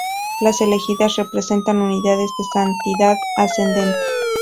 Las elegidas representan unidades de santidad ascendente.